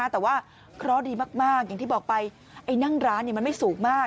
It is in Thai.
แต่ว่าเคราะห์ดีมากอย่างที่บอกไปไอ้นั่งร้านมันไม่สูงมาก